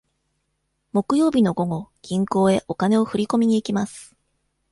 木曜日の午後、銀行へお金を振り込みに行きます。